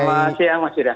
selamat siang mas jidah